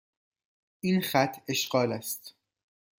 این خط اشغال است.